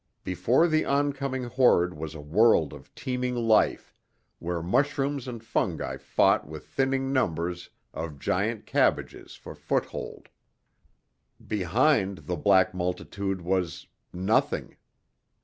Before the oncoming horde was a world of teeming life, where mushrooms and fungi fought with thinning numbers of giant cabbages for foothold. Behind the black multitude was nothing.